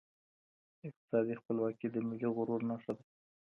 اقتصادي خپلواکي د ملي غرور نښه ده.